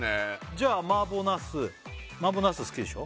じゃあ麻婆茄子麻婆茄子好きでしょ？